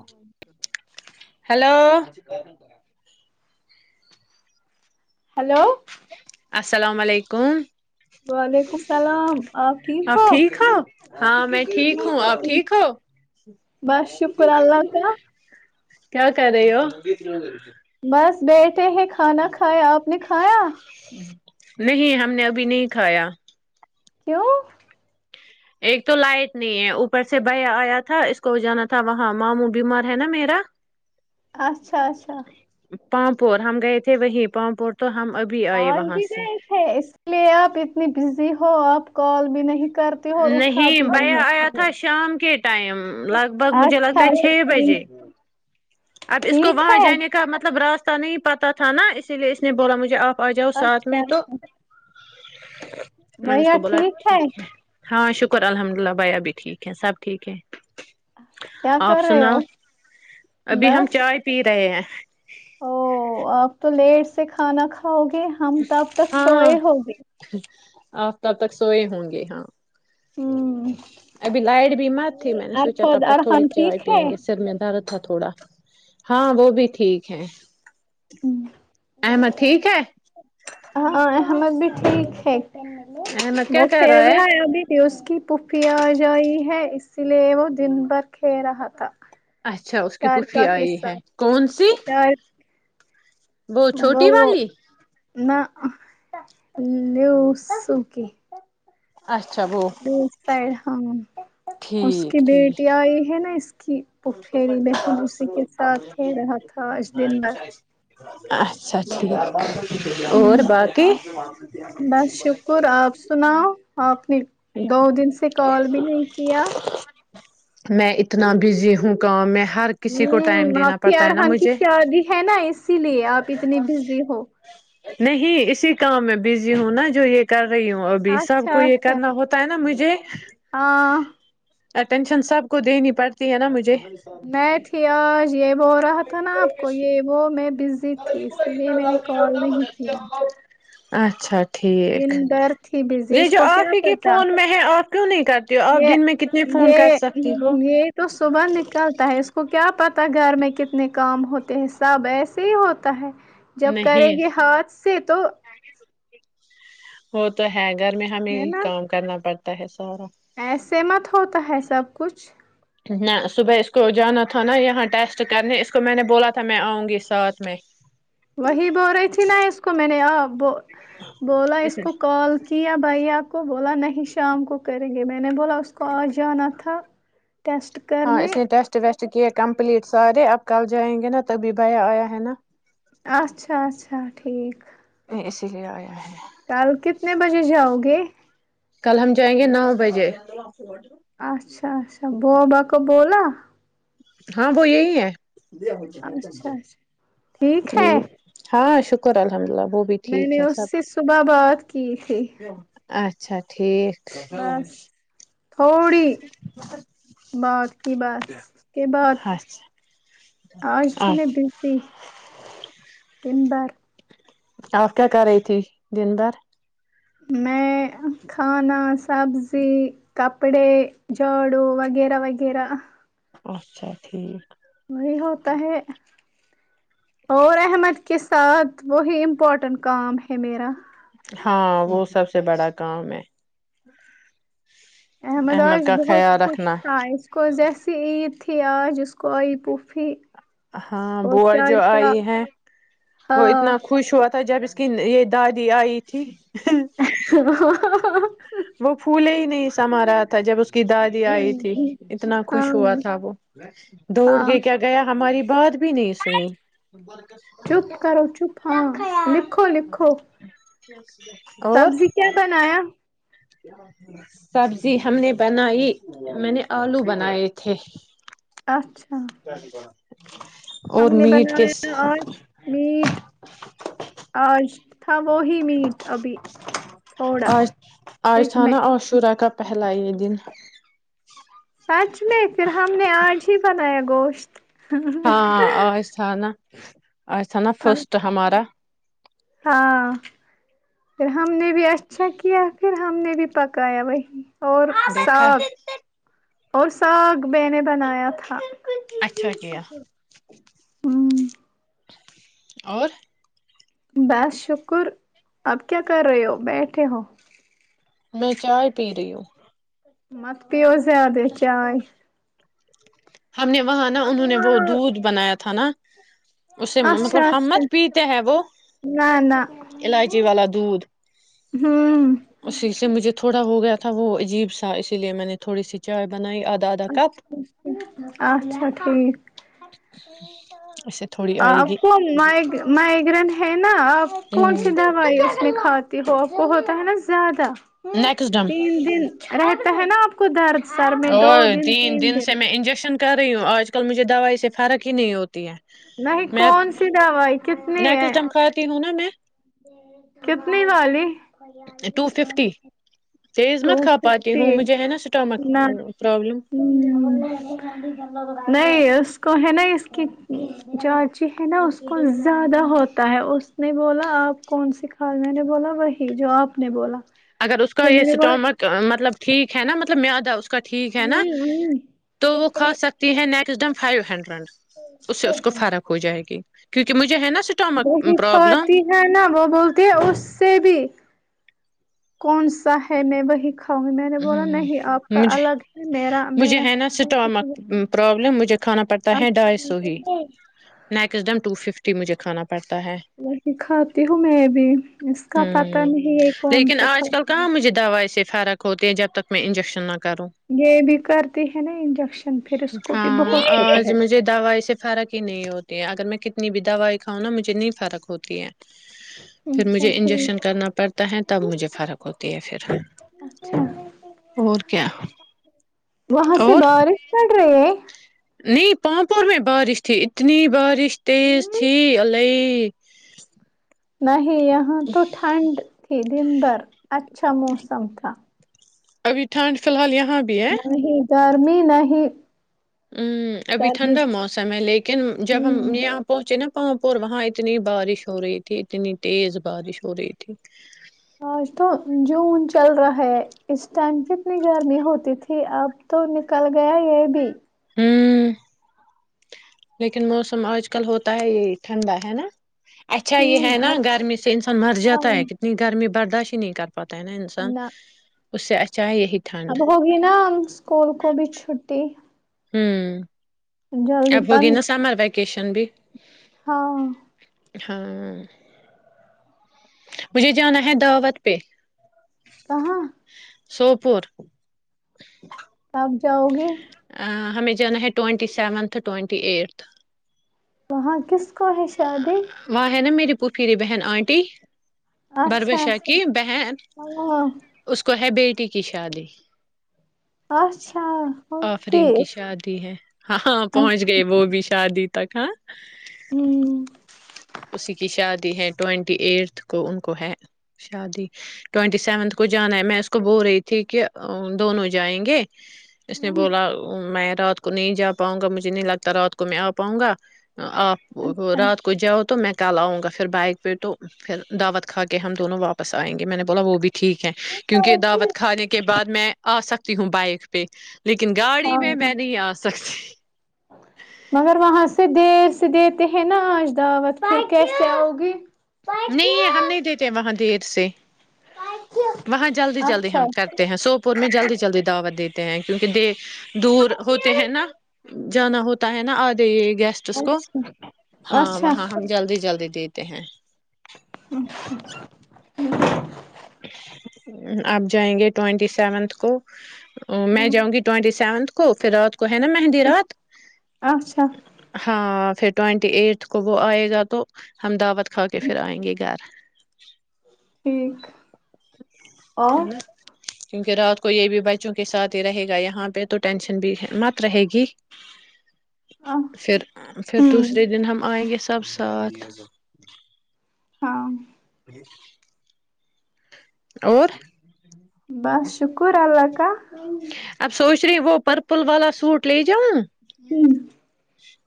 ا hello [inaudible] hello السلام علیکم اپ ٹھیک ہو ہاں میں ٹھیک ہوں اپ ٹھیک ہو بس شکر اللہ کا کیا کر رہے ہو ہوں بس بیٹھے ہیں کھانا کھایا آپ نے کھایا نہیں ہم نے ابھی نہیں کھایا کیوں ایک تو لائٹ نہیں ہے اوپر سے بیا آیا تھا اس کو جانا تھا وہاں ماموں بیمار ہے نا میرا اچھا اچھا پامپور ہم گئے تھے وہیں پامپور تو ہم ابھی آئے آج وہاں بھی سے گئے تھے اس لیے آپ اتنی بزی ہو آپ کال بھی نہیں کرتے ہو اور اٹھا نہیں بھی بیا آیا اچھا تھا شام کے ٹائم لگ بھگ مجھے لگتا اچھا ہے چھ بجے ٹھیک اب اس کو ٹھیک وہاں ہے جانے کا مطلب راست نہیں پتا تھا نا اسی لیے اس نے بولا مجھے آپ آ جاؤ ساتھ اچھا میں تو [inaudible] اچھا اس بھیا کو بولا ٹھیک ہے ہاں شکر الحمد للہ بھائی ابھی ٹھیک ہے سب ٹھیک ہے کیا آپ کر رہے سنا ہو ابھی ہم بس چائے پی رہے ہیں او آپ تو لیٹ سے کھانا کھاؤ گے ہم تب تک ہاں سوئے ہوگے ا تب تک سوئے ہوں گے ہاں اور ابھی لائٹ بھی مت تھی میں نے سوچا تب ارفد تک تھوڑی ارحان چائے ٹھیک ہے پیئیں گے سر میں درد تھا تھوڑا ہاں وہ بھی ٹھیک ہے ام ٹھیک ہے ہمر بھی ٹھیک ہے احمد وہ کیا کر کھیل رہا ہے ابھی بھی اس کی پفیا آ جائی ہے اس لیے وہ دن بر کے رہا تھا اچھا اس کی پفی شارکا کے آئی ہے ساتھ کون سی شارک وہ چھوٹی والی لو سوک اچھا وہ دو سائڈ ہاں اس کی ٹھیک بیٹی ٹھیک آئی ہے نا اس کی پ پھیری بہن اسی کے ساتھ کھیل رہا تھا آج دن بھر اچھا ٹھیک اور ہمم باقی بس شکر آپ سناؤ آپ نے دو دن سے کال بھی نہیں کیا میں اتنا بزی ہ حوں کام میں ہر کسی کو ہ ٹائم آپ دینا کی پڑتا ہے نا ارحان کی مجھے شادی ہے نا اسی لیے آپ اتنی بزی ہو نہیں اسی کام میں بزی ہوں نا جو یہ کر رہی ہوں ابھی سب اچھا کو یہ اچھا کرنا ہوتا ہے نا مجھے ہاں ٹینشن سب کو دینی پڑتی ہے نا مجھے میں تھی آج یہ وہ رہا تھا نا آپ کو یہ وہ میں زی تھی اسی لیے میں نے کال نہیں کیا اچھا اچھا دن بھر تھی بزی اس کو کیا آپ ہی کے پتا فون میں ہے آپ کیوں نہیں کرتی ہو آپ یہ دن میں کتنے فون یہ کر سکتی ہو یہ تو صبح نکلتا ہے اس کو کیا پتا گھر میں کتنے کام ہوتے ہیں سب ایسے ہی ہوتا ہے جب کریں نہیں گے ہاتھ سے تو وہ تو ہے گھر میں ہمیں ہے نا کام کرنا پڑتا تا ہے سہرا ایسے مت ہوتا ہے سب کچھ نہ صبح اس کو جانا تھا نا یہاں ٹیسٹ کرنے اس کو میں نے بولا تھا میں آؤں گی ساتھ میں وہی بول رہی تھی نا اس کو میں نے اب بول بولا اس کو کال کیا بھائی آپ کو بولا نہیں شام کو کریں گے میں نے بولا اس کو آج جانا تھا ٹسٹ کرنے چکے کمپلیٹ سارے اب کل جائیں گے نا تبھی بھیا آیا ہے نا اچھا اچھا اچھا ٹھیک اسی لیے آ ہے کل کتنے بجے جاؤ گے کل ہم جائیں گے نو بجے اچھا اچھا بوابا کو بولا ہاں وہ یہی ہے ہممم اچھا اچھا ٹھیک ہے ہاں شک شکر الحمدللہ میں نے اس سے صبح بات کی تھی اچھا ٹھیک [inaudible] بس تھوڑی بات کی بات اس کے بعد اچھا آج تھی میں بزی دن بھر آپ کیا کر رہی تھی دن بھر میں کھانا سبزی کپڑے جاڑو وغیرہ وغیرہ اچھا ٹھیک وہی ہوتا ہے اور احمد کے ساتھ وہی امپورٹنٹ کام ہے میرا ہاں وہ سب سے بڑا کام ہے احمد آج کا بہت خیال خوش رکھنا تھا اس کو جیسی عید بھی آج آئی اس کوئی پوپھی ہاں بوا جو آئی ہے وہ ہاں اتنا خوش ہوا جب اس کہ یہ دادی آئی تھی ہاں وہ پھولے ہی نہیں سما رہا تھا جب اس کی دادی آئی تھی اتنا خوش ہوا تھا وہ دوڑ ہاں کے کیا گیا ہماری بات بھی نہیں سنی چپ کرو چپ ہاں لکھو لکھو جچ سبزی کیا بنایا سبزی ہم نے بنائی میں نے آلو بنائے تھے اچھا جچ ہم نے بنایا آج میٹ آج تھا وہی میٹ ابھی تھوڑا آاج فریج میں تھھانا آشورت کا پہلا یہ دن ہے سچ میں پھر ہم نے آج ہی بنایا گوشت ہاں اورس نا جٹ ایسا نا فرسٹ ہمارا ہاں پھر ہم نے بھی اچھا کیا پھر ہم نے بھی پکایا وہی اور دیکھا ساگ اور ساگ میں نے بنایا تھا اچھا کیا ہوں اور بس شکر اب کیا کر رہے ہو بیٹھے ہو میں چائے پی رہی ہوں مت پیو زیادہ چائےائے ہم نے وہاں نا انہوں نے وہ دودھ بنایا تھا تھا نہ اسے اچھا مطلب اچھا ہمت پیتے ہیں وہ نہ نہ الائچی والا دودھ ہوں اسی سے مجھے تھوڑا ہو گیا تھا وہ عجیب سا اسی لیے میں نے تھوی سی چائے بنا اچھا ٹھیک اس سے تھوڑی آئے گی اپکو مائگرین گرنٹ ہیںین نہ کون سندا ہوا یہ میں کھاتی ہو ا وہ ہوتا ہے نا زیادہ نیکس ڈن تو ہے نا آپ کو درد اور تین دن سے میں انجیکشن کر رہی ہوں آج کل مجھے دوائی سے فرق ہی نہیں ہوتا نہیں کون سی دوائی کتنی نیکس ہے دمکاتی ہوں نا میں کتنی والی ٹو ففٹی تیز ٹو مت کھا پاتی ہوں ففٹی مجھے ہے نا اسٹامک نہ پرابلم نہیں اس کو ہے نہیں اس کی چاچی ہے نا اس کو زیادہ ہوتا ہے اس نے بولا آپ کون س کال میں نے بولا وہی جو آپ نے بولا اگر اس کا پھر یہ میں نے بولا ٹمک مطلب [unintelligible] ٹھیک ہے نا مطلب میں آدا اس کو [unintelligible] کا ٹھیک ہے نا ہ تو وہ کھا سکتی ہیں نیکسٹ ڈم [unintelligible] فائیو ہنڈریڈ [unintelligible] اس سے اس کو فرق ہو جائے گی کیونکہ مجھے ہے نا اسٹامک وہی پرابلم کاتی ہے نا وہ بولتی ہے اس سے بھی کون سا ہے میں وہی کھاؤں گی میں نے بولا ہوں نہیں آپ کا مجھ الگ ہے میرا مجھے میں ہے نہ سٹامک پرابلم مجھ کھانا پڑتا ہے ڈھائی اچھا سو ہی نیکسٹ ڈم ٹو ففٹی مھے کھانا [inaudible] وہی کھاتی ہوں میں بھی اس کا پتہ ہوں نہیں ہے کون لیکن سا آج کل کھاتا ہوں کہاں مجھے دوائی سے فرق [inaudible] ہوتے جب تک میں انجیکشن نہ یہ بھی کرتی ہے نا انجیکشن پھر [unintelligible] وں اس کو بھی ہاں بہت فکر آج ہے مجھے دوائی سے فرق ہی نہیں ہوتی ہے اگر میں [unintelligible] کتنی بھی دوائی کاؤ نا مجھے نہیں فرق ہوتی ہے پھر اچھا مجھے انجیکشن ٹھیک کرنا پڑتا ہے تب مجھے فرق ہوتی ہے پھر اور کیا وہاں سے اور بارش پڑ رہی ہے [inaudible] نہیں پانپور میں بارش تھی اتنی بارش اسٹیز ت الی [unintelligible] جی [inaudible] نہیں ہے یہ ہاں تو ٹھنڈ [unintelligible] تھی دن بھر [unintelligible] اچھا موسم تھا ابھی ٹانڈ فی الحالیا ہاں بھی ہے ت م نہیں ہ ابھی سردی ٹھنڈا موسم ہے لیکن جب ہم ہوں یہاں پہنچے نا پاں پ وہاں اتنی بارش ہو رہی تھی اتنی تیز بارش ہو رہی تھی آج تو جون چل رہا ہے اس ٹائم کتنی گرمی ہوتی تھی اب تو نکل گیا یہ بھی ہ لیکن موسم آج کل ہوتا ہے یہ ٹھنڈا ہے نا اچھا یہ ہوں ہے نا اب گرمی سے انسان مر جاتا ہاں ہے کتنی گرمی برداش ہی نہیں کرتا پتہ ہے نا انسان نہ اس سے اچ اب ہوگی نا اسکول کو بھی چھٹی ہوں اب جلدی بند ہوگین سامار ب وکیشن بھی ہاں ہاں مجھے جانا ہے دعوت پہ کہاں سوپور کب جاؤ گی ہمیں جانا ہے ٹوئونٹی سیونتھ ٹوئٹی ایٹتھ وہاں کس کو ہے شادی پ پری بہن آنٹی بر اچھا بشاہ کی اچھا بہن ہاں اس کو ہے بیٹی ٹی کی شادی اچھا کی ہاںاں پہنچ گئے وہ بھی شادی تکا ہوں اسی کی شادی ہے ٹوینٹی ایٹتھ کو ان کو ہے شادی ٹینٹی سیونتھ کو جانا ہے میں اس کو بول رہی تھی کہ دونوں جائیں گے اس نے ہوں، بولا میں رات کو نہیں جا پاؤں گا مجھے نہیں لگتا رات کو میں آ پاؤں گا آپ اچھا رات کو جاؤ تو میں کل آؤں گا پھر بائک پہ تو پھر دعوت کھا کے ہم دونوں واپس آئیں گے میں نے بولا وہ بھی ٹھیک ہے کیونکہ دعوت کھانے کے بعد میں آ سکتی ہوں بائک پہ لیکن گاڑی ہاں میں میں نہیں آ س سک مگر وہاں سے دی دیتے ہیں نا آج دعوت کی کیسے ہوگی نہیں ہم نہیں دیتے وہاں دیر سے وہاں جلدی جلدی اچھا ہم کرتے ہیں سوپور میں جلدی جلدی دعوت دیتے ہیں کیونکہ د دور ہوتے ہیں نا جانا ہوتا ہے نا آد گیسٹ کو اچھا ہاں اچھا وہاں ہم جلدی جلدی دیتے ہیں [unintelligible] آپ جائیں گے ٹوئینٹی سیونتھ کو او میں ہوں جؤں گی ٹوئٹی سیونتھ کو فرات کو ہے نا مہندی رات اچھا ہاں پھر ٹوینٹی ایٹھ کو وہ آئے گا تو احمدباد کھا کے پھر آئیں گے گھر ٹھیک اور ہے نا کیونکہ رات کو یہ بھی بچوں کے ساتھ ہی رہے گا یہاں پہ تو ٹینشن بھی مت رہے گی پھر پھر ہوں دوسرے دن ہم آئیں گے سب ساتھ ہاں [unintelligible] اور بس شکر اللہ [unintelligible] اب سوچ رہی وہ پرپل والا سوٹ لے جاؤ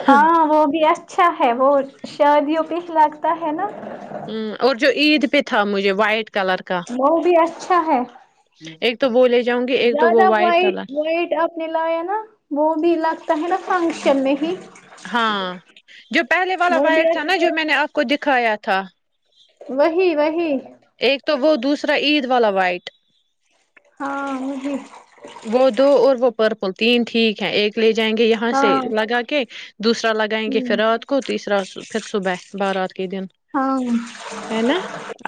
ہ ہاں وہ بھی اچھا ہے وہ شادیوں پہ لگتا ہے نا ہ اور جو عید پہ تھا مجھے وائٹ کلر کا مئ بھی ہے اچھا ہے ایک تو بولے زیادہ وائٹ وائٹ آپ نے لایا ہے نا وہ بھی لگتا ہے نا فشمی ہی ہاں جو پہلے والا وہ وائٹ بھی تھا نا اچ- جو میں نے آپ کو دکھایا تھا تھا وہی وہی ایک تو وہ دوسرا عید والا وائٹ ہاں وہی وہ دو اور وہ پر تین ٹھیک ہے ایک لیے ج جائیں گے یہاں سے ہاں لگا کے دوسرا لگائیں گے پھر ہ رات کو تیسرا پھر صبح بارہ دن ہاں ہے نا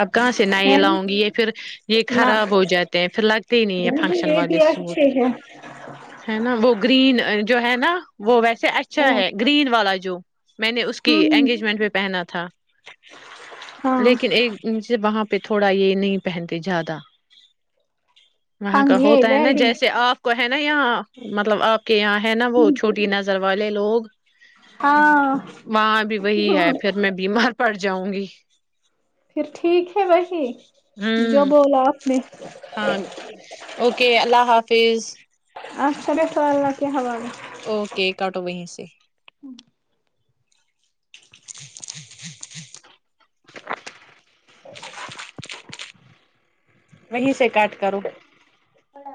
اب کہاں سے نئے لاؤں گی یہ پھر یہ خراب ہو جاتے ہیں پھر لگتے ہی نہیں ہے نہ فنکشن یہ بھی والے سوٹ اچھے ہے ہے نا وہ گرین جو ہے نا وہ ویسے سے ہاں اچھا ہے گرین والا جو میں نے اس ہ کی انگیجمنٹ پہ پہنا تھا ہاں لیکن ایک مجے وہاں پہ تھوڑا یہ نہیں پہنتے زیادہ وہاں ہاں کا یہ ہوتا ہے نا جیسے ویڈنگ آپ کو ہے نا یہیا مطلب آپ کے یہاں ہے نا وہ چھوٹی نظر نر والے لوگ ہاں وہاں بھی وہی ہے پھر میں بیمار پڑ جاؤں گی پھر ٹھیک ہے بی جو ہوں بولا آپ نے ہاں اوکے اللہ حافظ اچھا بیسو اللہ کے حہ اوکے کاٹو وہیں سے وہیں سے کاٹ کرو ہ